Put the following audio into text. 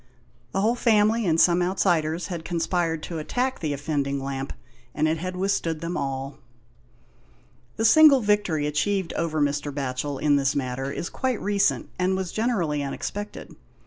The whole family, and some outsiders, had conspired to attack the offending lamp, and it had withstood them all. The single victory achieved over Mr. Batchel in this matter is quite recent, and was generally unexpected.